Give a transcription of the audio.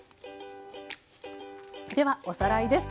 ではおさらいです。